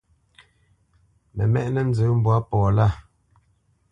Mə mɛ́ʼnə̄ nzə mbwǎ pɔ lâ.